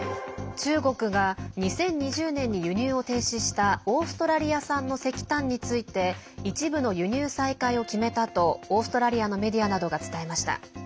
中国が２０２０年に輸入を停止したオーストラリア産の石炭について一部の輸入再開を決めたとオーストラリアのメディアなどが伝えました。